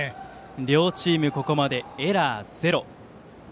両チームここまでエラーゼロ。